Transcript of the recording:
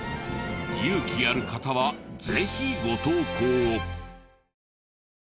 勇気ある方はぜひご投稿を。